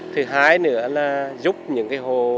thứ hai nữa là giúp những hồ